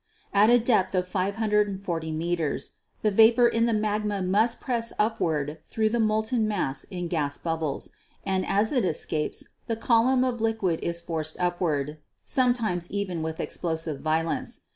At a depth of 540 meters the vapor in the magma must press upward through the molten mass in gas bubbles, and as it escapes the column of liquid is forced upward, sometimes even with explosive violence.